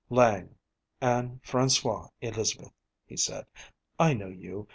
] "Lange, Anne Françoise Elizabeth," he said, "I know you.